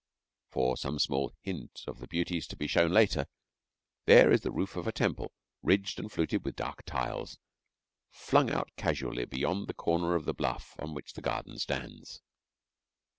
For some small hint of the beauties to be shown later there is the roof of a temple, ridged and fluted with dark tiles, flung out casually beyond the corner of the bluff on which the garden stands.